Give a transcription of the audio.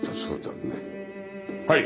はい。